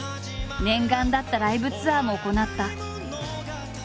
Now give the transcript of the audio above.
念願だったライブツアーも行った。